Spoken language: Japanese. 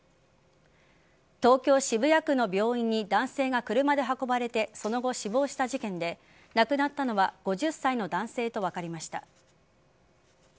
東京・渋谷区の病院に男性が車で運ばれてその後、死亡した事件で亡くなったのは５０歳の男性と分かりました。